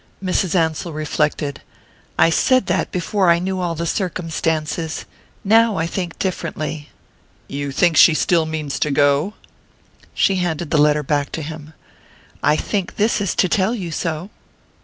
Mrs. Ansell reflected. "I said that before I knew all the circumstances. Now I think differently." "You think she still means to go?" She handed the letter back to him. "I think this is to tell you so."